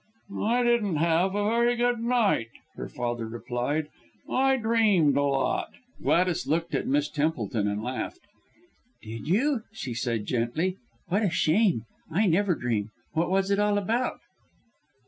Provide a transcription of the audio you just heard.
"I didn't have a very good night," her father replied, "I dreamed a lot!" Gladys looked at Miss Templeton and laughed. "Did you?" she said gently. "What a shame! I never dream. What was it all about?"